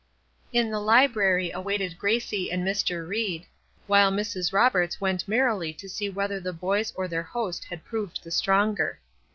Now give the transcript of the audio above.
In the library waited Gracie and Mr. Ried, while Mrs. Roberts went merrily to see whether the boys or their host had proved the stronger.